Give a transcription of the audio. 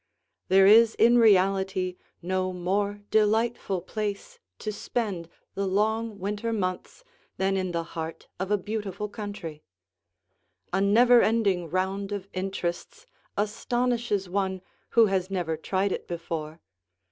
There is in reality no more delightful place to spend the long winter months than in the heart of a beautiful country. A never ending round of interests astonishes one who has never tried it before.